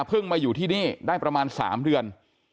มาอยู่ที่นี่ได้ประมาณ๓เดือน